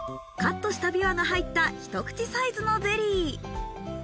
カットしたビワが入った一口サイズのゼリー。